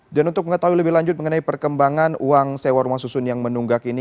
dan untuk mengetahui lebih lanjut mengenai perkembangan uang sewa rumah susun yang menunggak ini